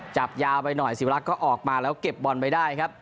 จับยาวไปหน่อยสิวรักษ์ก็ออกมาแล้วเก็บบอลไปได้ครับ